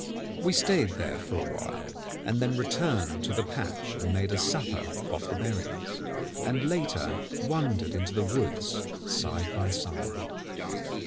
We stayed there for a while, and then returned to the patch and made a supper off the berries, and later wandered into the woods side by side.